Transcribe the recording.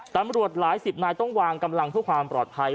ตำรวจหลายสิบนายต้องวางกำลังเพื่อความปลอดภัย